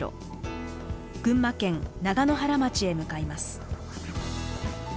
群馬県長野原町へ向かいます。